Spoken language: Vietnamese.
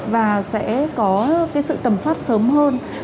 và sẽ có cái sự tầm soát sớm hơn